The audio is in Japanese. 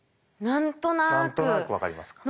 何となく分かりますか。